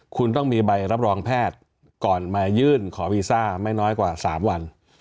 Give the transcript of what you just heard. คุณต้องมีใบรับรองแพทย์ก่อนมายื่นขอวีซ่าไม่น้อยกว่า๓วัน